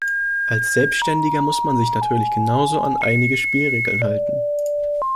Als Selbständiger muss man sich natürlich genauso an einige Spielregeln halten.